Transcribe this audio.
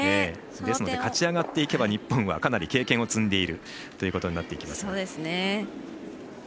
勝ち上がっていけば日本はかなり経験を積んでいるということになってきます。